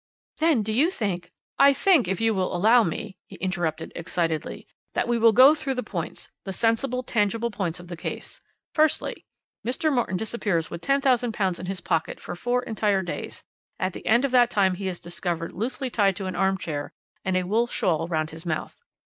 "Then, do you think " "I think, if you will allow me," he interrupted excitedly, "that we will go through the points the sensible, tangible points of the case. Firstly: Mr. Morton disappears with £10,000 in his pocket for four entire days; at the end of that time he is discovered loosely tied to an arm chair, and a wool shawl round his mouth.